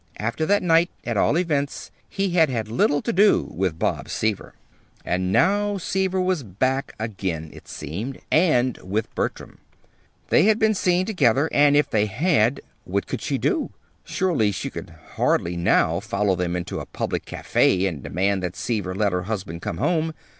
After that night, at all events, he had had little to do with Bob Seaver. And now Seaver was back again, it seemed and with Bertram. They had been seen together. But if they had, what could she do? Surely she could hardly now follow them into a public café and demand that Seaver let her husband come home!